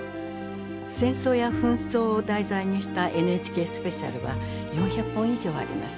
戦争や紛争を題材にした「ＮＨＫスペシャル」は４００本以上あります。